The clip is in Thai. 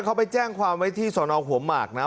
เขาไปแจ้งความไว้ที่สนหัวหมากนะ